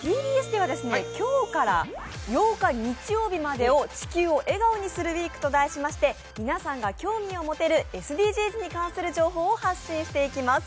ＴＢＳでは今日から８日日曜日までを「地球を笑顔にするＷＥＥＫ」と題しまして皆さんが興味を持てるＳＤＧｓに関する情報を発信していきます。